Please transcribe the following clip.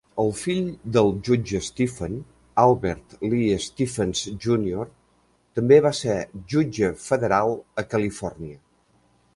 El fill del jutge Stephen, Albert Lee Stephens Júnior també va ser jutge federal a Califòrnia.